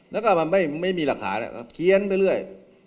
แล้วก็มันไม่มีหลักฐานเขียนไปเรื่อย